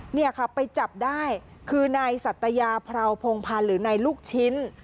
เนี่ยค่ะไปจับได้คือนายสัตยาพราวพงพันธ์หรือนายลูกชิ้น